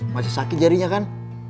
masih sakit jarinya kan